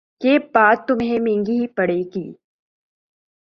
یہ بات تمہیں مہنگی پڑے گی